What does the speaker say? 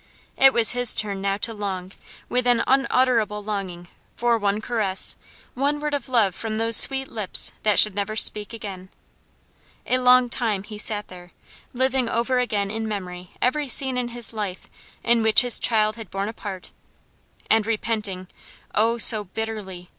It was his turn now to long, with an unutterable longing, for one caress, one word of love from those sweet lips that should never speak again. A long time he sat there, living over again in memory every scene in his life in which his child had borne a part, and repenting, oh, so bitterly!